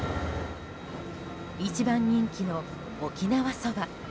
一番人気の沖縄そば。